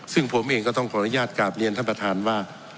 ซึ่งผมเองก็ต้องขออนุญาตกราบเรียนท่านประธานว่า